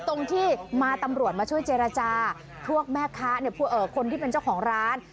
ตรงที่มาตำรวจมาช่วยเจรจาพวกแม่ค้าคนที่เป็นเจ้าของร้าน